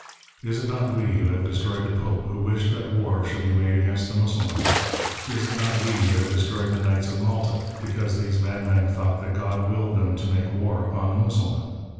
Is it not we who have " destroyed the Pope, who wished that war should be made against " the Mussulman ? Is it not we who have destroyed the Knights ''of Malta, because these madmen thought that God willed " them to make war upon the Mussulman